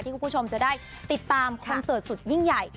คุณผู้ชมจะได้ติดตามคอนเสิร์ตสุดยิ่งใหญ่